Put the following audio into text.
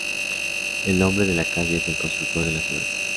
El "hombre de la calle es el constructor de la ciudad".